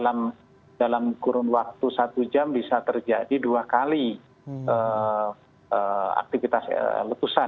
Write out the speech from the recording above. dalam kurun waktu satu jam bisa terjadi dua kali aktivitas letusan